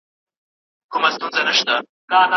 سر پر سر یې ترېنه وکړلې پوښتني